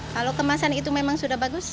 kalau kemasan itu memang sudah bagus